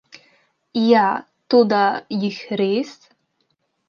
Ja, toda jih res?